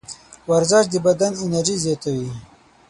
ورزش د بدن انرژي زیاتوي.